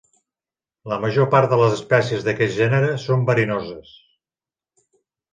La major part de les espècies d’aquest gènere són verinoses.